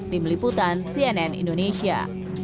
tim liputan cnn indonesia